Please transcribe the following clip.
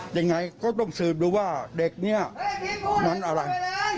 ยังไงก็ต้องสืบดูว่าเด็กนี้มันอะไร